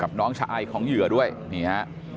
น้องชายของเหยื่อด้วยนี่ฮะ